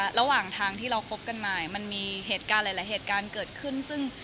ระหว่างทางที่เราคบกันมามันมีเหตุการณ์หลายเหตุการณ์เกิดขึ้นซึ่ง